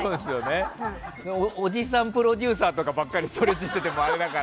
おじさんプロデューサーとかばっかりストレッチしててもあれだから。